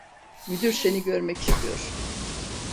Müdür seni görmek istiyor.